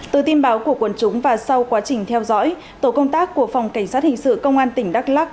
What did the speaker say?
từ tin báo của quần chúng và sau quá trình theo dõi tổ công tác của phòng cảnh sát hình sự công an tỉnh đắk lắc